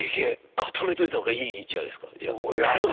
固めといたほうがいいじゃないですかじゃあ。